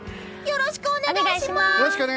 よろしくお願いします！